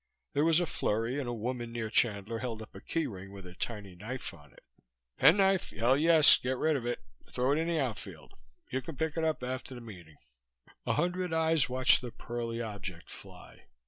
There was a flurry and a woman near Chandler held up a key ring with a tiny knife on it "Penknife? Hell, yes; get rid of it. Throw it in the outfield. You can pick it up after the meeting." A hundred eyes watched the pearly object fly.